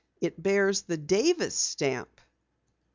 It bears the Davis stamp."